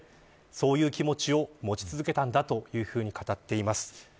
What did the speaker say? そういう気持ちを持ち続けたんだと語っています。